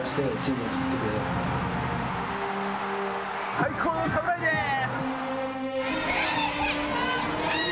最高の侍です！